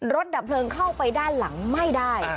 ดับเพลิงเข้าไปด้านหลังไม่ได้